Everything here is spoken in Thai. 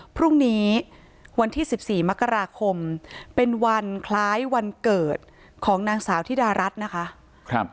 พรุ่งนี้วันที่๑๔มกราคมเป็นวันคล้ายวันเกิดของนางสาวธิดารัฐนะคะ